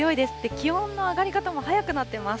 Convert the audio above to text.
気温の上がり方も早くなってます。